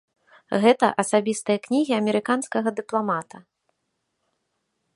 Гэта асабістыя кнігі амерыканскага дыпламата.